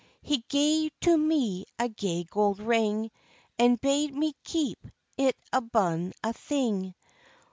"He gae to me a gay gold ring, And bade me keep it abune a' thing."